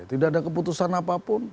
tidak ada keputusan apapun